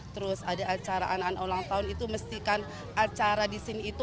terus ada acara anak anak ulang tahun itu mestikan acara di sini itu